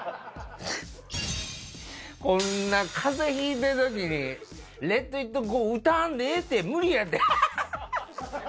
こんなかぜひいてるときに、レット・イット・ゴー、歌わんでええって、無理やて。